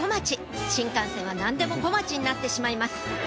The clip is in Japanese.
新幹線は何でも「こまち」になってしまいます